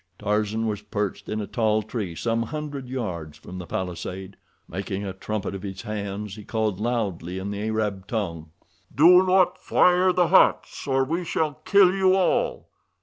Tarzan was perched in a tall tree some hundred yards from the palisade. Making a trumpet of his hands, he called loudly in the Arab tongue: "Do not fire the huts, or we shall kill you all!